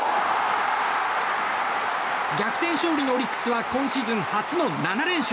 逆転勝利のオリックスは今シーズン初の７連勝。